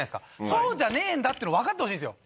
そうじゃねぇんだってのわかってほしいんですよ。